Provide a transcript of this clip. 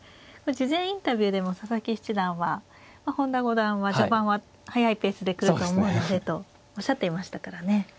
事前インタビューでも佐々木七段は本田五段は序盤は速いペースで来ると思うのでとおっしゃっていましたからね。